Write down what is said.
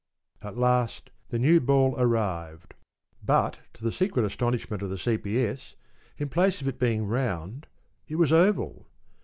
At last the new ball arrived. But, to the secret astonishment of the C.P.S., in place of being round it was oval.